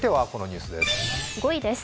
５位です。